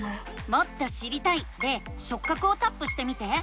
「もっと知りたい」で「しょっ角」をタップしてみて。